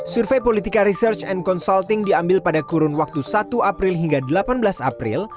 survei politika research and consulting diambil pada kurun waktu satu april hingga delapan belas april